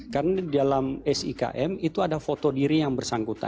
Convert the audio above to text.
karena di dalam sikm itu ada foto diri yang bersangkutan